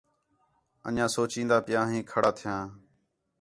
انڄیاں سوچین٘دا پِیاں ہیں کھڑا تِھیاں